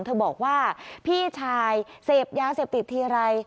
เธอบอกว่าพี่ชายเสพยาเสพติดทีไร